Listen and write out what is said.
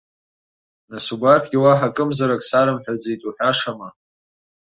Нас убарҭгьы уаҳа акымзаракы сарымҳәаӡеит уҳәашама?